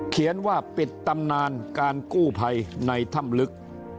เขียนว่าปิดตำนานการกู้ภัยในถ้ำลึก